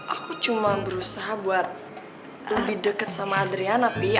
aku cuma berusaha buat lebih dekat sama adriana